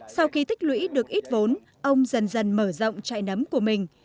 sau khi tích lũy được ít vốn ông dần dần mở rộng chạy nấm của mình